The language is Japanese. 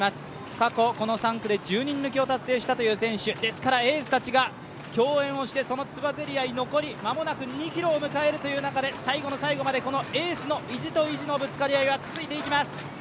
過去この３区で１０人抜きを達成したという選手、ですからエースたちが共演をして、そのつばぜり合い、残り間もなく２ｋｍを迎えるという中で、最後の最後までこのエースの意地と意地のぶつかり合いが続いていきます。